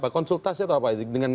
konsultasi atau apa dengan